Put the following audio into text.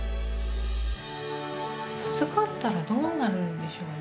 授かったらどうなるんでしょうね。